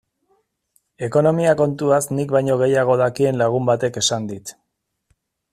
Ekonomia kontuaz nik baino gehiago dakien lagun batek esan dit.